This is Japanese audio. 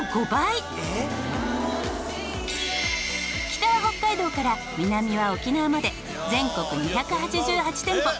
北は北海道から南は沖縄まで全国２８８店舗。